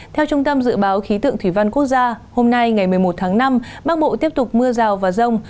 theo trung tâm dự báo khí tượng thủy văn quốc gia hôm nay ngày một mươi một tháng năm bắc bộ tiếp tục mưa rào và rông